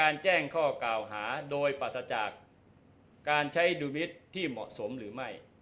เราไม่ใช่มือ